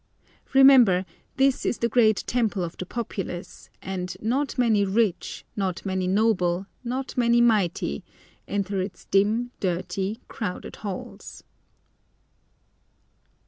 Remember, this is the great temple of the populace, and "not many rich, not many noble, not many mighty," enter its dim, dirty, crowded halls.